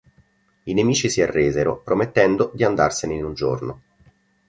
I nemici si arresero, promettendo di andarsene in un giorno.